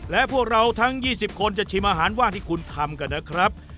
และพวกเราทั้ง๒๐คนจะชิมอาหารว่างที่คุณทำกันนะครับ